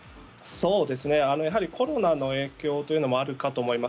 やはりコロナの影響というのもあるかと思います。